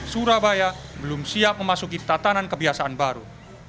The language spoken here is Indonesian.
surabaya belum siap memasuki tatanan kebiasaan baru